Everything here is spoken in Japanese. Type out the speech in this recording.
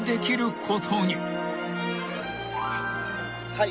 はい。